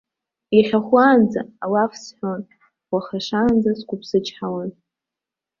Иахьахәлаанӡа алаф сҳәон, уаха шаанӡа сқәыԥсычҳауан.